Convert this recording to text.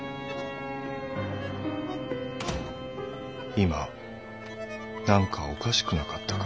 今なんかおかしくなかったか？